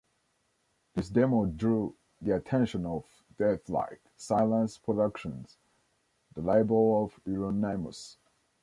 This demo drew the attention of Deathlike Silence Productions - the label of Euronymous.